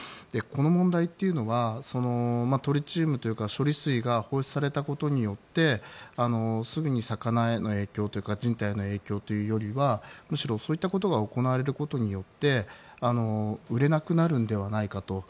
この問題というのはトリチウムというか処理水が放出されたことによってすぐに魚への影響や人体への影響というよりはむしろそういったことが行われることによって売れなくなるのではないかと。